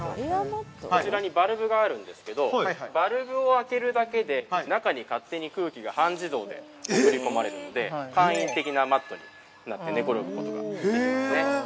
◆こちらにバルブがあるんですけど、バルブを開けるだけで、中に勝手に空気が半自動で送り込まれるんで簡易的なマットになって、寝転ぶことができますね。